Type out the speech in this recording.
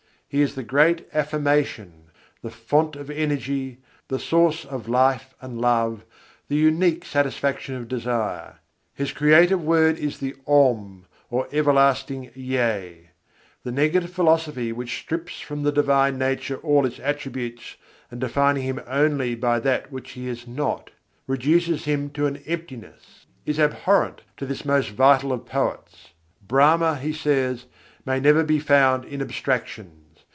He is the Great Affirmation, the font of energy, the source of life and love, the unique satisfaction of desire. His creative word is the Om or "Everlasting Yea." The negative philosophy which strips from the Divine Nature all Its attributes and defining Him only by that which He is not reduces Him to an "Emptiness," is abhorrent to this most vital of poets. Brahma, he says, "may never be found in abstractions."